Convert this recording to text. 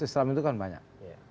islam itu kan banyak